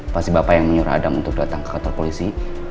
pasti bapak yang menyuruh adam untuk datang ke kantor polisi